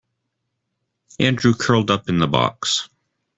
Andrew curled up in the box.